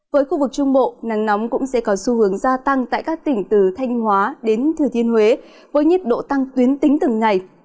với khu vực trung bộ nắng nóng cũng sẽ có xu hướng gia tăng tại các tỉnh từ thanh hóa đến thừa thiên huế với nhiệt độ tăng tuyến tính từng ngày